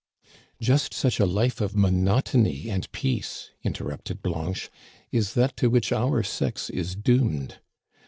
"Just such a life of monotony and peace," inter rupted Blanche, " is that to which our sex is doomed.